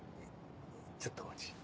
ちょっとお待ち。